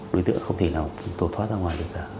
đối tượng không thể nào tổ thoát ra ngoài được cả